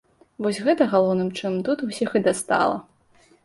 Вось гэта, галоўным чынам, тут усіх і дастала.